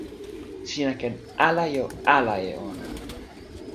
sina ken ala jo ala e ona.